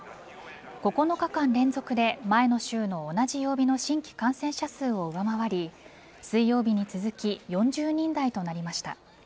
９日間連続で前の週の同じ曜日の新規感染者数を上回り水曜日に続き４０人台となりました。